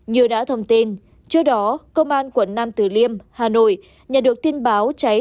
như đã thông tin trước đó công an quận nam từ liêm hà nội nhận được tin báo cháy